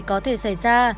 có thể xảy ra